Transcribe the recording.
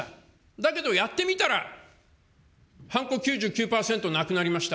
だけどやってみたら、はんこ９９％なくなりました。